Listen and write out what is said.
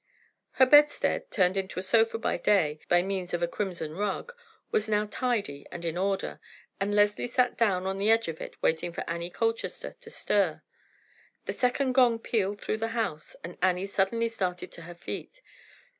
Her bedstead, turned into a sofa by day by means of a crimson rug, was now tidy and in order, and Leslie sat down on the edge of it waiting for Annie Colchester to stir. The second gong pealed through the house, and Annie suddenly started to her feet.